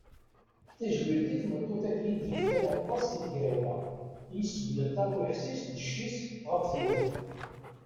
D tajmilt i tmeṭṭut-agi id yefkan aṭas i tegrawla, i iseblen tarwiḥt-is d cci-s ɣef tmurt.